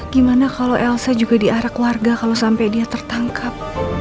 gimana kalau elsa juga diarak warga kalau sampai dia tertangkap